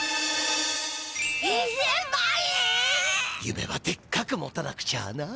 ゆめはでっかく持たなくちゃな。